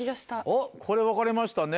おっこれ分かれましたね